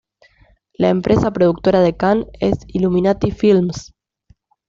La empresa productora de Khan es Illuminati Films.